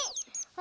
あ！